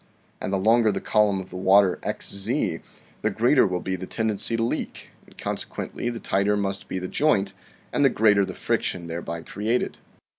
And the longer the column of water xz, the greater will be the ten dency to leak, and consequently the tighter must be the joint and the greater the friction thereby created.